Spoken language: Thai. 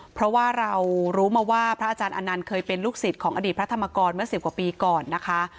เพราะว่าเรารู้มาว่าพระอาจารย์อนันต์เคยเป็นลูกศิษย์ของอดีตพระธรรมกรเมื่อ๑๐กว่าปีก่อนนะคะ